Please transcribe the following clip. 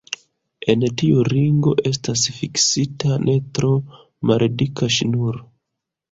En tiu ringo estas fiksita ne tro maldika ŝnuro.